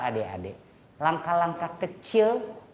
adik adik langkah langkah kecil